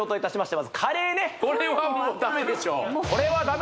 これはもうダメでしょう？